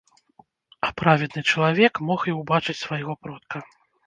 А праведны чалавек мог і ўбачыць свайго продка.